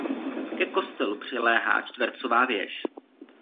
Ke kostelu přiléhá čtvercová věž.